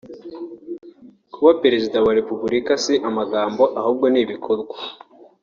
kuba perezida wa repeburika si amagambo ahubwo ni ibikorwa